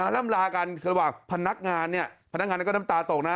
ล่ำลากันระหว่างพนักงานเนี่ยพนักงานก็น้ำตาตกนะ